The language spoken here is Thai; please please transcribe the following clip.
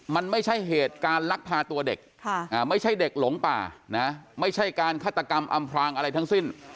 มันไม่ใช่เหตุการณ์ลักพาตัวเด็กไม่ใช่เด็กหลงป่านะไม่ใช่การฆาตกรรมอำพลางอะไรทั้งสิ้น